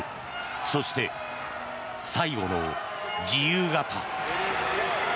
そして最後の自由形。